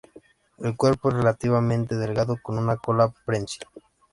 El cuerpo es relativamente delgado con una cola prensil.